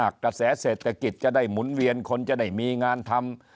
กระแสเศรษฐกิจจะได้หมุนเวียนคนจะได้มีงานทำ